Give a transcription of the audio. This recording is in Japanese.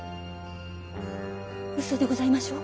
うそでございましょう？